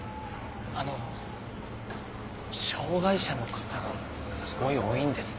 あの障がい者の方がすごい多いんですね。